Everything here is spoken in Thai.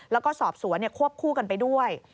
แล้วก็สอบสวนควบคู่กันไปด้วย